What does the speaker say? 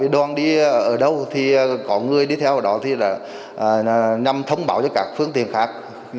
đoàn đi ở đâu thì có người đi theo đó thì nhằm thông báo cho các phương tiện khác